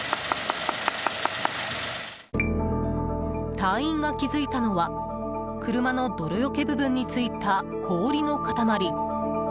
隊員が気付いたのは車の泥よけ部分に付いた氷の塊。